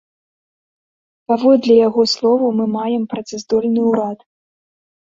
Паводле яго словаў, мы маем працаздольны ўрад.